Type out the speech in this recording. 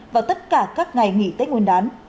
vào tất cả các ngày nghỉ tết nguồn đán